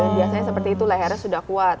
biasanya seperti itu lehernya sudah kuat